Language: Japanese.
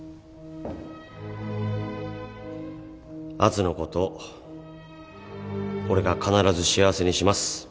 杏寿の事俺が必ず幸せにします。